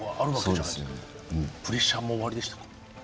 プレッシャーもおありでしたか？